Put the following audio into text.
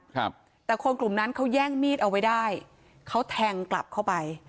ครับแต่คนกลุ่มนั้นเขาแย่งมีดเอาไว้ได้เขาแทงกลับเข้าไป